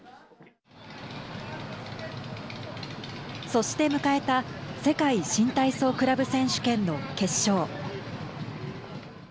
そして迎えた世界新体操クラブ選手権の決勝。